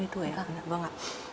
năm mươi tuổi ạ vâng ạ